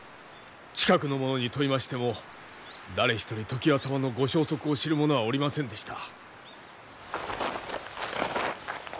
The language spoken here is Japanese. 近くの者に問いましても誰一人常磐様のご消息を知る者はおりませんでした。